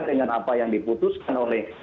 dengan apa yang diputuskan oleh